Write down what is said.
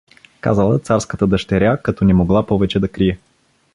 Казала царската дъщеря, като не могла повече да крие.